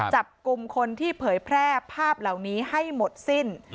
จับกลุ่มคนที่เผยแพร่ภาพเหล่านี้ให้หมดสิ้น